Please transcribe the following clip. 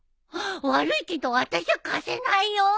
悪いけどあたしゃ貸せないよ！